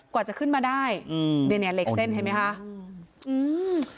กว่าจะขึ้นมาได้อืมเนี้ยเนี้ยเหล็กเส้นเห็นไหมคะอืม